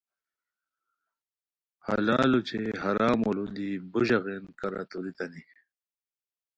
حلال اوچے حرامو لُو دی بوژاغین کارا توریتانی